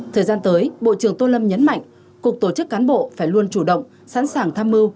thời gian tới bộ trưởng tô lâm nhấn mạnh cục tổ chức cán bộ phải luôn chủ động sẵn sàng tham mưu